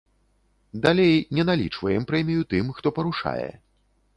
Далей, не налічваем прэмію тым, хто парушае.